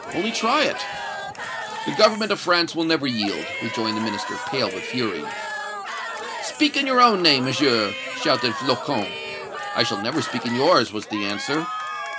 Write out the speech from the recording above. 'Only try it!' "'The Government of France will never yield!' rejoined the Minister, pale with fury. "'Speak in your own name, Monsieur!' shouted Flocon. "'I shall never speak in yours!' was the answer.